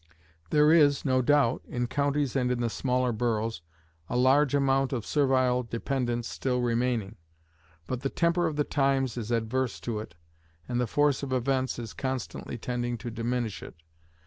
There is, no doubt, in counties and in the smaller boroughs, a large amount of servile dependence still remaining; but the temper of the times is adverse to it, and the force of events is constantly tending to diminish it.